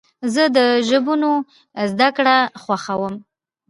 زه د ژبونو زدهکړه خوښوم.